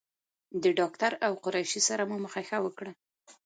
د ډاکټر او قریشي سره مو مخه ښه وکړه.